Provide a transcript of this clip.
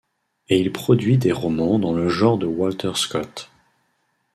Et il produit des romans dans le genre de Walter Scott.